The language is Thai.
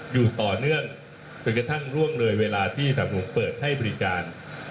อยู่ต่อเนื่องจนกระทั่งร่วงเลยเวลาที่สนับหนุนเปิดให้บริการ